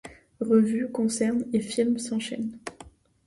Revues, concerts et films s'enchainent.